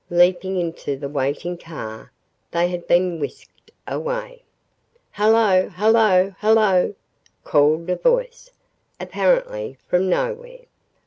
Leaping into the waiting car, they had been whisked away. "Hello! Hello! Hello!" called a voice, apparently from nowhere.